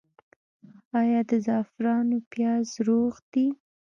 آیا د زعفرانو پیاز روغ دي؟